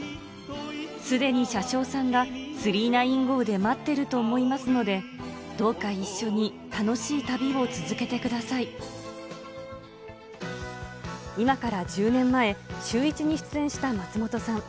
すでに車掌さんが９９９号で待っていると思いますので、どうか一緒に楽しい旅を続けてく今から１０年前、シューイチに出演した松本さん。